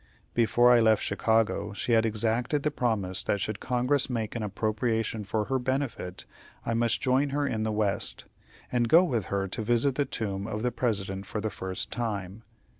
Before I left Chicago she had exacted the promise that should Congress make an appropriation for her benefit, I must join her in the West, and go with her to visit the tomb of the President for the first time.